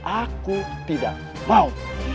aku tidak mau